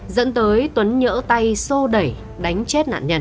dẫn tới tuấn nhỡ tay sô đẩy đánh chết nạn nhân